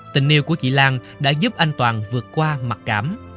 tình yêu của chị lan đã giúp anh toàn vượt qua mặc cảm